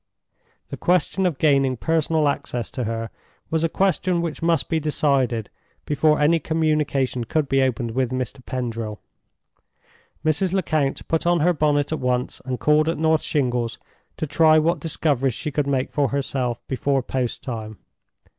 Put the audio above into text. The question of gaining personal access to her was a question which must be decided before any communication could be opened with Mr. Pendril. Mrs. Lecount put on her bonnet at once, and called at North Shingles to try what discoveries she could make for herself before post time.